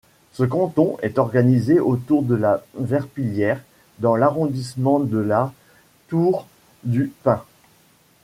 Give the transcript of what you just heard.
Ce canton est organisé autour de La Verpillière dans l'arrondissement de La Tour-du-Pin.